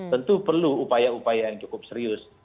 tentu perlu upaya upaya yang cukup serius